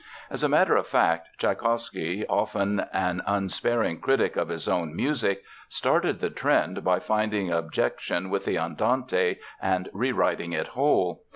As a matter of fact, Tschaikowsky, often an unsparing critic of his own music, started the trend by finding objection with the Andante and rewriting it whole.